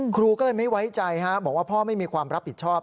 ครูก็เลยไม่ไว้ใจบอกว่าพ่อไม่มีความรับผิดชอบ